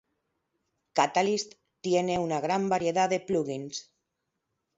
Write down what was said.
Catalyst tiene una gran variedad de plugins.